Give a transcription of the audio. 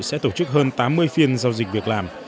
sẽ tổ chức hơn tám mươi phiên giao dịch việc làm